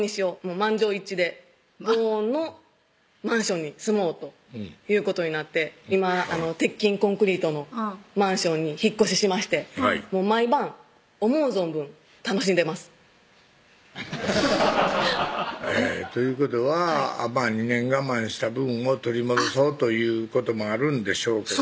満場一致で防音のマンションに住もうということになって今鉄筋コンクリートのマンションに引っ越ししまして毎晩思う存分楽しんでますということは２年我慢した分を取り戻そうということもあるんでしょうけども